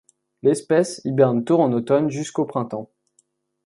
L'espèce hiberne tôt en automne jusqu'au printemps.